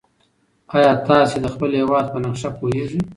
ایا تاسي د خپل هېواد په نقشه پوهېږئ؟